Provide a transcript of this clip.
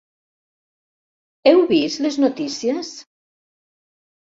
¿Heu vist les notícies?